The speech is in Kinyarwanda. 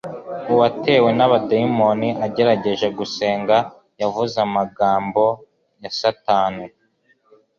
Uwatewe n'abadayimoni, agerageje gusenga, yavuze amagambo ya Satani;